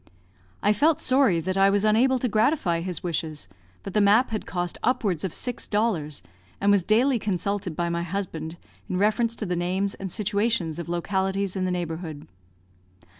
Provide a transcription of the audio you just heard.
I felt sorry that I was unable to gratify his wishes; but the map had cost upwards of six dollars, and was daily consulted by my husband, in reference to the names and situations of localities in the neighbourhood.